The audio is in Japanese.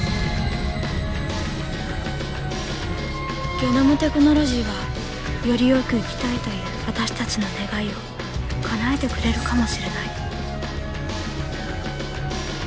ゲノムテクノロジーはよりよく生きたいという私たちの願いをかなえてくれるかもしれない。